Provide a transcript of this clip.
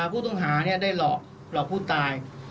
ผู้ต้องหาได้หลอกผู้ตาย